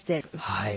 はい。